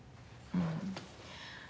うん。